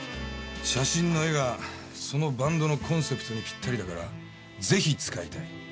写真の絵がそのバンドのコンセプトにぴったりだからぜひ使いたい。